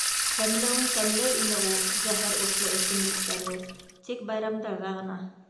Тәмләүен тәмләй ине ул зәһәр утлы эсемлектәрҙе, тик байрамдарҙа ғына.